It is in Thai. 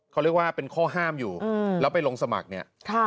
เขาเรียกว่าเป็นข้อห้ามอยู่แล้วไปลงสมัครเนี่ย